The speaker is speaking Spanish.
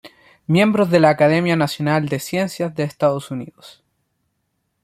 Miembro de la Academia Nacional de Ciencias de Estados Unidos.